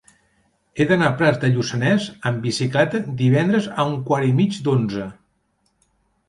He d'anar a Prats de Lluçanès amb bicicleta divendres a un quart i mig d'onze.